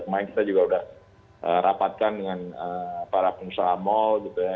kemarin kita juga sudah rapatkan dengan para pengusaha mall gitu ya